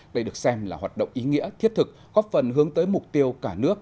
đây được xem là hoạt động ý nghĩa thiết thực góp phần hướng tới mục tiêu cả nước